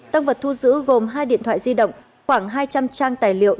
tăng vật thu giữ gồm hai điện thoại di động khoảng hai trăm linh trang tài liệu